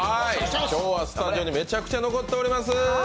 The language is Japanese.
今日はスタジオにめちゃくちゃ残っております。